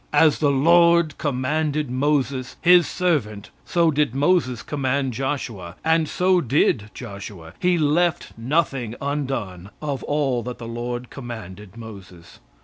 ] "As the Lord commanded Moses, his servant, so did Moses command Joshua, and so did Joshua; he left nothing undone of all that the Lord commanded Moses.